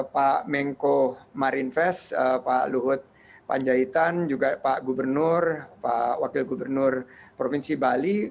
pak mengko marinvest pak luhut panjaitan juga pak gubernur pak wakil gubernur provinsi bali